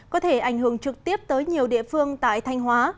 có thể ảnh hưởng trực tiếp tới nhiều địa phương tại thanh hóa